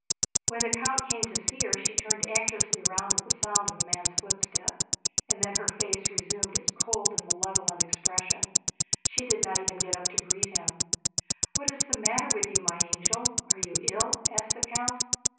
When the count came to see her she turned anxiously round at the sound of a man's footstep, and then her face resumed its cold and malevolent expression. She did not even get up to greet him. "What is the matter with you, my angel? Are you ill?" asked the count.